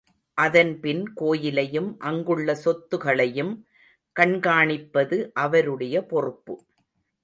அதன் பின் கோயிலையும் அங்குள்ள சொத்துகளையும் கண்காணிப்பது அவருடைய பொறுப்பு.